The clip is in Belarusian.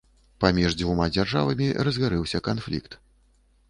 Паміж дзвюма дзяржавамі разгарэўся канфлікт.